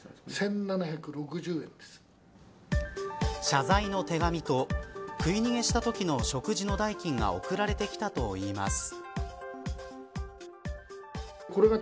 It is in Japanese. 謝罪の手紙と食い逃げしたときの食事の代金が送られてきたといいます。